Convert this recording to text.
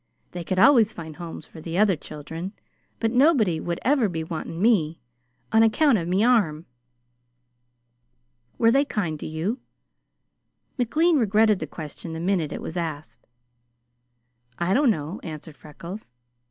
They could always find homes for the other children, but nobody would ever be wanting me on account of me arm." "Were they kind to you?" McLean regretted the question the minute it was asked. "I don't know," answered Freckles.